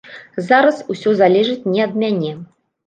Зараз усё залежыць не ад мяне.